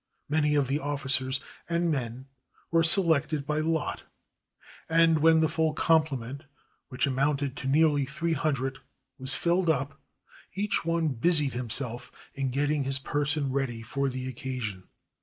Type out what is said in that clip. Many of the officers and men were selected by lot, and when the full complement, which amounted to nearly three hundred, was filled up, each one busied himself in getting his person ready for the occasion.